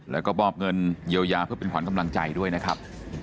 แล้วก็มอบเงินเยียวยาเพื่อเป็นขวัญกำลังใจด้วยนะครับ